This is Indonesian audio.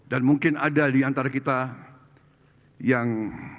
dan mungkin ada di antara kita yang